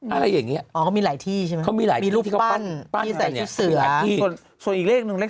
อะไรแบบนี้